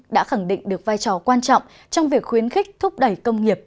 đã khẳng định được vai trò quan trọng trong việc khuyến khích thúc đẩy công nghiệp